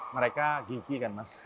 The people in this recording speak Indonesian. mereka gigi kan mas